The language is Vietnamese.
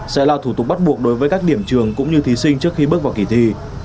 sẽ là thủ tục bắt buộc đối với các điểm trường cũng như thí sinh trước khi bước vào kỳ thi